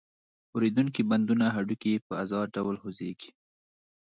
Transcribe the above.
ښورېدونکي بندونه هډوکي یې په آزاد ډول خوځېږي.